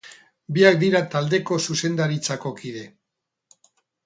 Biak dira taldeko zuzendaritzako kide.